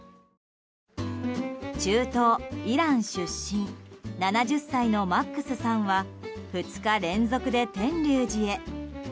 中東イラン出身、７０歳のマックスさんは２日連続で天龍寺へ。